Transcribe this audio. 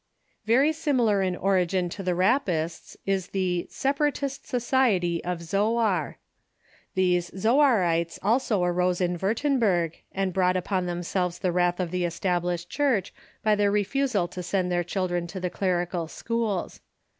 Very similar in origin to the Rappists is the "Separatist So ciety of Zoar." These Zoarites also arose in Wiirtemberg, and brought upon themselves the wrath of the Estab lished Church by their refusal to send their children to the clerical schools.